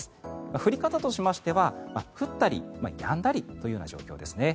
降り方としては降ったりやんだりという状況ですね。